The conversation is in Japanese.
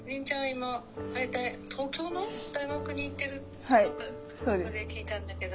今東京の大学に行ってるって何かうわさで聞いたんだけど。